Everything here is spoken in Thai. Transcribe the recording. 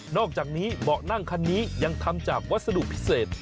อกจากนี้เบาะนั่งคันนี้ยังทำจากวัสดุพิเศษ